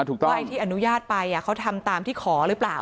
อ่ะถูกต้องว่าที่อนุญาตไปอ่ะเขาทำตามที่ขอหรือเปล่า